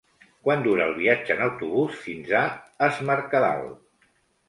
Quant dura el viatge en autobús fins a Es Mercadal?